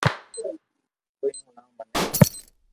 تو ھي ھڻاو مني